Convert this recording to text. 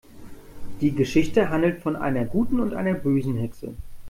Die Geschichte handelt von einer guten und einer bösen Hexe.